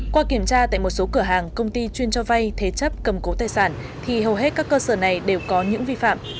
qua kiểm tra tại một số cửa hàng công ty chuyên cho vay thế chấp cầm cố tài sản thì hầu hết các cơ sở này đều có những vi phạm